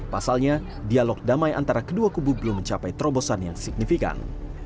pasalnya dialog damai antara kedua kubu belum mencapai terobosan yang signifikan